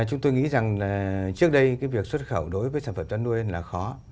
chúng tôi nghĩ rằng là trước đây cái việc xuất khẩu đối với sản phẩm chăn nuôi là khó